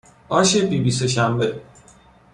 آش بیبی سهشنبه